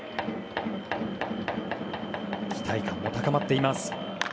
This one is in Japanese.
期待感も高まっています。